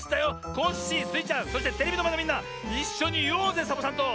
コッシースイちゃんそしてテレビのまえのみんないっしょにいおうぜサボさんと。